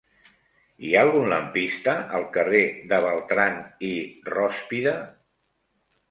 Hi ha algun lampista al carrer de Beltrán i Rózpide?